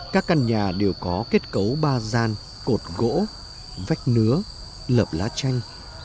các căn nhà đều có kết cấu ba gian cột gỗ vách nứa lập lá chanh